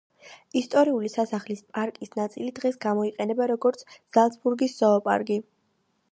ისტორიული სასახლის პარკის ნაწილი დღეს გამოიყენება, როგორც ზალცბურგის ზოოპარკი.